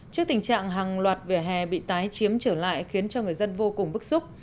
trước tình trạng hàng loạt vỉa hè bị tái chiếm trở lại khiến cho người dân vô cùng bức xúc